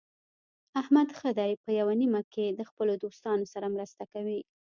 احمد ښه دی په یوه نیمه کې د خپلو دوستانو سره مرسته کوي.